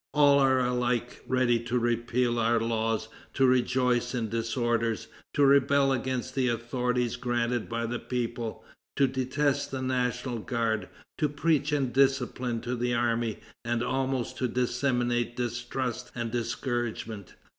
All are alike ready to repeal our laws, to rejoice in disorders, to rebel against the authorities granted by the people, to detest the National Guard, to preach indiscipline to the army, and almost to disseminate distrust and discouragement."